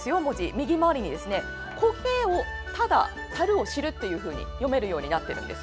右回りに「コケ、ただ足るを知る」というふうに読めるようになってるんです。